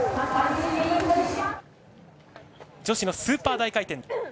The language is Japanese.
女子のスーパー大回転。